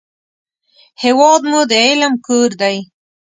هېواد مو د علم کور دی